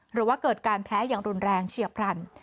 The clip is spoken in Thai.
หรือว่าเกิดการแพ้อย่างรุนแรงเฉียบพลัน